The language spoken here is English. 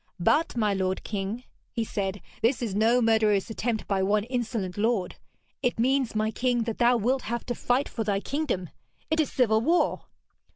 'But, my lord king,' he said, 'this is no murderous attempt by one insolent lord. It means, my king, that thou wilt have to fight for thy kingdom. It is civil war!'